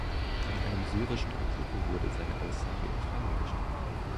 In einem syrischen Artikel wurde seine Aussage in Frage gestellt.